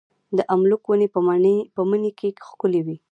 د املوک ونې په مني کې ښکلې وي.